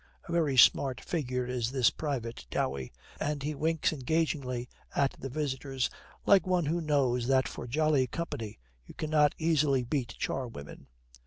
A very smart figure is this Private Dowey, and he winks engagingly at the visitors, like one who knows that for jolly company you cannot easily beat charwomen.